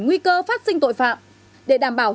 nguy cơ phát sinh tội phạm để đảm bảo